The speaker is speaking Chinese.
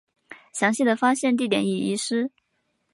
详细的发现地点已遗失。